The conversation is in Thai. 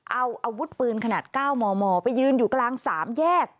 เอาอาวุธปืนขนาด๙มมไปยืนอยู่กลาง๓แยก